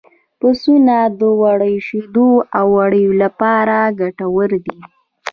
پسونه د وړو شیدو او وړیو لپاره ګټور دي.